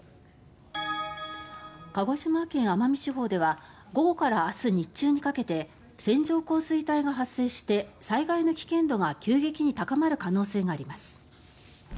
鹿児島県奄美地方では午後から明日日中にかけて線状降水帯が発生して災害の危険度が急激に高まる恐れがあります。